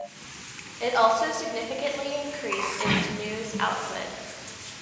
It also significantly increased its news output.